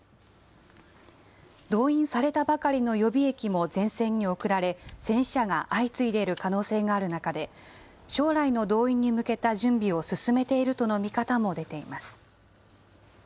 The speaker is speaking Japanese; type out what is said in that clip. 動員されたばかりの予備役も前線に送られ、戦死者が相次いでいる可能性がある中で、将来の動員に向けた準備を進めているとの見方も出ています。